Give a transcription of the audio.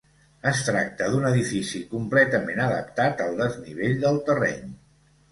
Es tracta d'un edifici completament adaptat al desnivell del terreny.